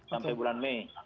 sampai bulan mei